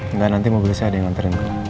enggak nanti mau beli saya ada yang nantikan